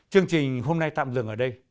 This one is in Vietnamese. chương trình hôm nay tạm dừng ở đây